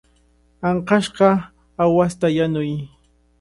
Ankashqa aawasta yanuy.